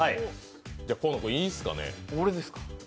じゃ、河野君、いいっすかね。